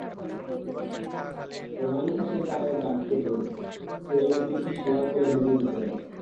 প্রণালিখাসির রানের গাঁট কেটে তেলে দুই পিঠ লাল করে ভেজে নিতে হবে।